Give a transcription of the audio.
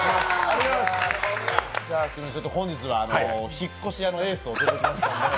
本日は引っ越し屋のエースを連れてきました。